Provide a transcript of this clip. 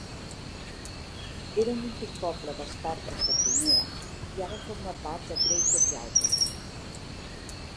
Era un antic poble dels tàrtars de Crimea i ara forma part de Greater Yalta.